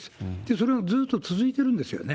それがずーっと続いてるんですよね。